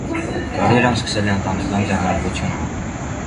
Կարիերան սկսել է ընտանեկան ձեռնարկությունում։